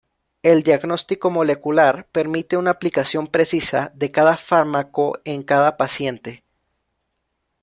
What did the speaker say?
El diagnóstico molecular permite una aplicación precisa de cada fármaco en cada paciente.